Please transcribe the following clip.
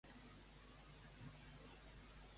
Es creu que en Jan arribarà a Déu abans que ningú?